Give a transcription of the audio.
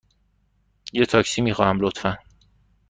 یه تاکسی می خواهم، لطفاً.